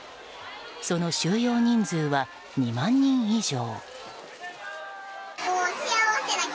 その収容人数は２万人以上。